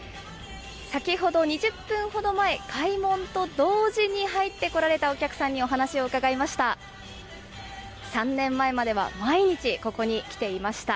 先ほど２０分ほど前、開門と同時に入ってこられたお客さんに、お話を伺いました。